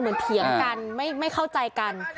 เหมือนเผียงกันไม่เข้าใจกัน